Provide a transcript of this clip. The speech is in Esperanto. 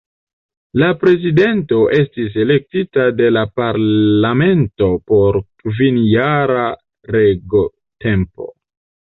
La Prezidento estis elektita de la Parlamento por kvinjara regotempo.